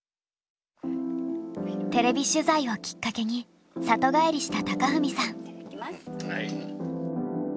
テレビ取材をきっかけに里帰りした貴文さん。